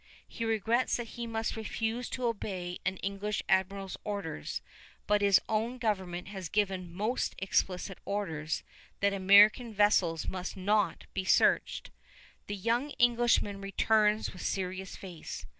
He regrets that he must refuse to obey an English admiral's orders, but his own government has given most explicit orders that American vessels must not be searched. The young Englishman returns with serious face.